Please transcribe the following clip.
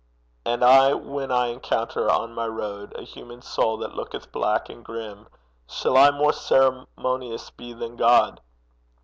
And I when I encounter on my road A human soul that looketh black and grim, Shall I more ceremonious be than God?